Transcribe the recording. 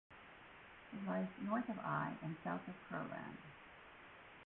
It lies north of Eye and south of Crowland.